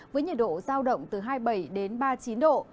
với nhiệt độ giao động từ hai mươi bảy đến ba mươi chín độ